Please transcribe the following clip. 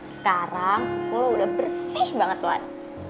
sekarang kuku lo udah bersih banget luan